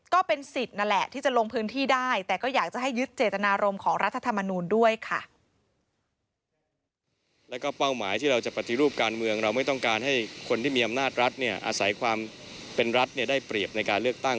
คนที่มีอำนาจรัฐเนี่ยอาศัยความเป็นรัฐเนี่ยได้เปรียบในการเลือกตั้ง